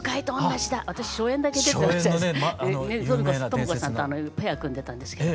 朋子さんとペア組んでたんですけど。